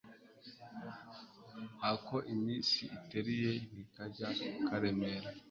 ako iminsi iteruye ntikajya karemera